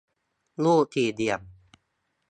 รูปสี่เหลี่ยม